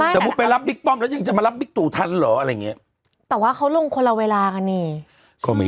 แต่พูดไปรับบิ๊กป้อมแล้วยังจะมารับบิ๊กตูธันหรออะไรงี้